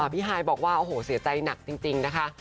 พี่ฮายบอกว่าเสียใจหนักจริงนะคะ